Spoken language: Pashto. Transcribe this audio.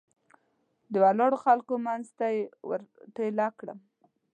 د ولاړو خلکو منځ ته یې ور ټېله کړم.